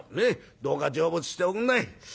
どうか成仏しておくんなさい。